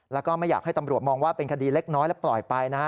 แล้วก็ไม่อยากให้ตำรวจมองว่าเป็นคดีเล็กน้อยและปล่อยไปนะฮะ